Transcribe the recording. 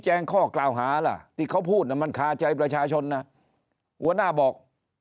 แจ้งข้อกล่าวหาล่ะที่เขาพูดมันคาใจประชาชนนะหัวหน้าบอก